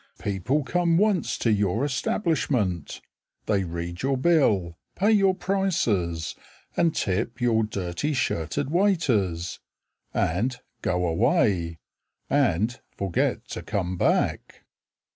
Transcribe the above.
People come once to your establishment, They read your bill, Pay your prices And tip your dirty shirted waiters, And go away And forget to come back.